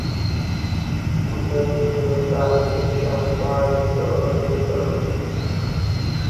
যুদ্ধে বাহাদুর শাহ পরাজিত ও নিহত হন।